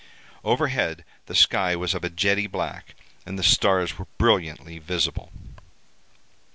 Overhead, the sky was of a jetty black, and the stars were brilliantly visible.